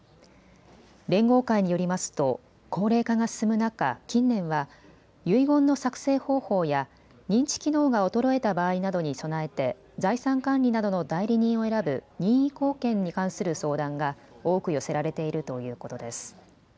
連合会によりますと高齢化が進む中、近年は遺言の作成方法や認知機能が衰えた場合などに備えて財産管理などの代理人を選ぶ任意後見に関する相談が多く寄せられているということです。